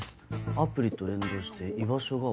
アプリと連動して居場所が分かる。